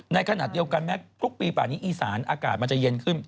ในขณะเดียวกันแม้ทุกปีป่านี้อีสานอากาศมันจะเย็นขึ้น